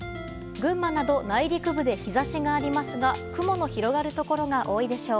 群馬など内陸部で日差しがありますが雲の広がるところが多いでしょう。